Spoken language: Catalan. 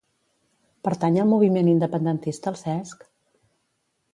Pertany al moviment independentista el Cesc?